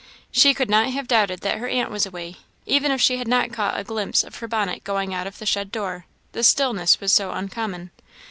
She could not have doubted that her aunt was away, even if she had not caught a glimpse of her bonnet going out of the shed door the stillness was so uncommon.